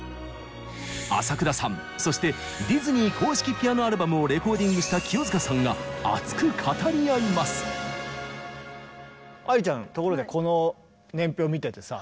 浅倉さんそしてディズニー公式ピアノアルバムをレコーディングした清塚さんが愛ちゃんところでこの年表見ててさ。